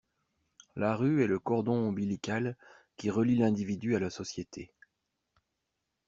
La rue est le cordon ombilical qui relie l’individu à la société.